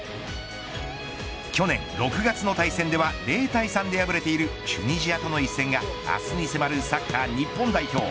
去年６月の対戦では０対３で敗れているチュニジアとの一戦が明日に迫るサッカー日本代表。